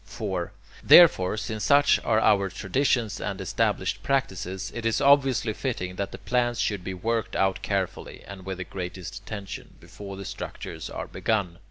4. Therefore, since such are our traditions and established practices, it is obviously fitting that the plans should be worked out carefully, and with the greatest attention, before the structures are begun.